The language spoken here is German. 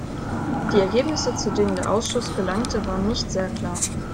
Die Ergebnisse, zu denen der Ausschuss gelangte, waren nicht sehr klar.